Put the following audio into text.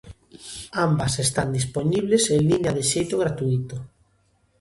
Ambas están dispoñibles en liña de xeito gratuíto.